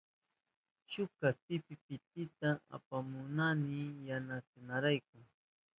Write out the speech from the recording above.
Shuk kaspi pitita apashkani yantaynirayku.